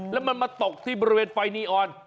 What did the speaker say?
แล้วมันมาตกที่บริเวณไฟนีออน